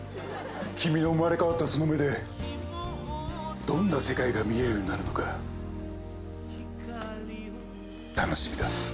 君の生まれ変わったその目でどんな世界が見えるようになるのか楽しみだ。